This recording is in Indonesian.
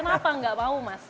kenapa enggak mau mas